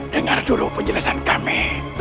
dengar dulu penjelasan kami